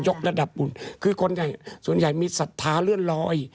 กระดับบุญคือคนใหญ่ส่วนใหญ่มีศรัทธาเลื่อนลอย